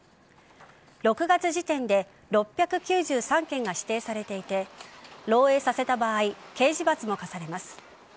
６月時点で６９３件が指定されていて漏えいさせた場合刑事罰も科されます。